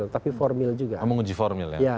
tapi formil juga